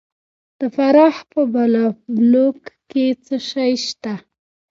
د فراه په بالابلوک کې څه شی شته؟